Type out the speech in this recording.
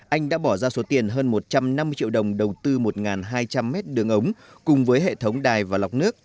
anh đã bỏ ra số tiền hơn một trăm năm mươi triệu đồng đầu tư một hai trăm linh mét đường ống cùng với hệ thống đài và lọc nước